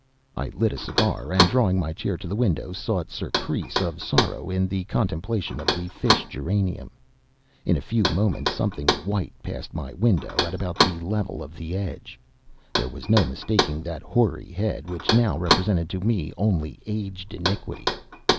I lit a cigar, and, drawing my chair to the window, sought surcease of sorrow in the contemplation of the fish geranium. In a few moments something white passed my window at about the level of the edge. There was no mistaking that hoary head, which now represented to me only aged iniquity.